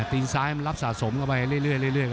ตีนซ้ายมันรับสะสมเข้าไปเรื่อย